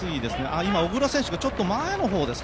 今、小椋選手がちょっと前の方ですか？